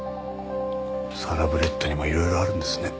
サラブレッドにも色々あるんですね。